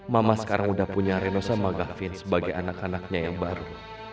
mama sekarang udah punya reno sama gavin sebagai anak anaknya yang baru